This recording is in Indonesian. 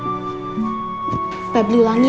bapak bisa mencari keuntungan